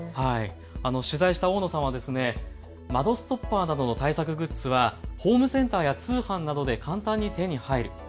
取材した大野さんは窓ストッパーなどの対策グッズはホームセンターや通販などで簡単に手に入る。